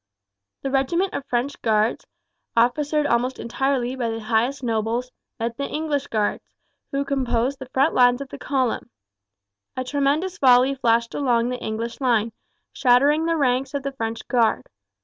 The regiment of French guards, officered almost entirely by the highest nobles, met the English guards, who composed the front lines of the column. A tremendous volley flashed along the English line, shattering the ranks of the French guard.